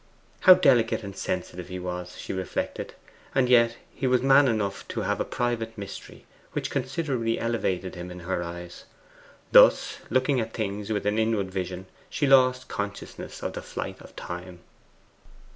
How delicate and sensitive he was, she reflected; and yet he was man enough to have a private mystery, which considerably elevated him in her eyes. Thus, looking at things with an inward vision, she lost consciousness of the flight of time.